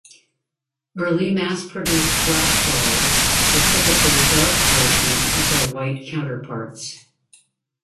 Early mass-produced black dolls were typically dark versions of their white counterparts.